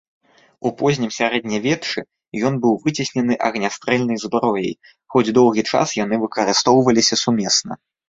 У познім сярэднявеччы ён быў выцеснены агнястрэльнай зброяй, хоць доўгі час яны выкарыстоўваліся сумесна.